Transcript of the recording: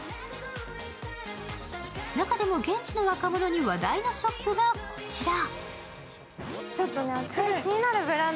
中でも、現地の若者に話題のショップがこちら。